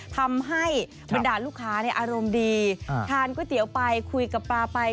ทำให้บรรดาลูกค้าอารมณ์ดีทานก๋วยเตี๋ยวไปคุยกับปลาไป